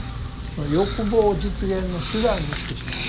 その欲望実現の手段にしてしまう。